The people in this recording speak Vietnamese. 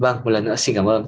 vâng một lần nữa xin cảm ơn